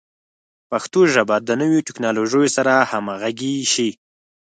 پښتو ژبه د نویو ټکنالوژیو سره همغږي شي.